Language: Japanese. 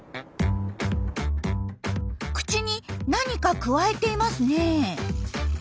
口に何かくわえていますねえ。